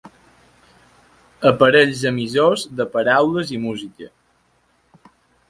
Aparells emissors de paraules i música.